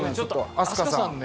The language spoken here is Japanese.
飛鳥さんね。